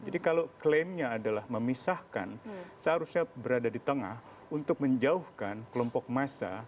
jadi kalau klaimnya adalah memisahkan seharusnya berada di tengah untuk menjauhkan kelompok massa